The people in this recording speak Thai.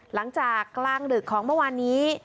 หลังจากกลางดึกของเมื่อวานนี้